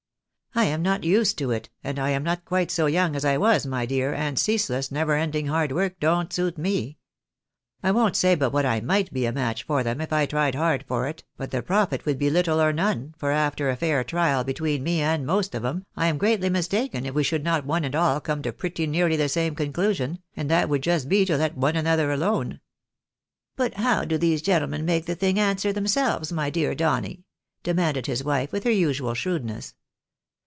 I am not used to it, and I am not quite so young as I was, my dear, and ceaseless, never ending hard work don't suit me. I won't say but what I might be a match for them if I tried hard for it, but the profit would be httle or none, for after a fair trial between me and most of 'em, I am greatly mistaken if we should not one and all come to pretty nearly the same conclusion, and that would just be to let one another alone." " But how do these gentlemen make the thing answer them selves, my dear Donny ?" demanded his wife, with her usual shrewdness.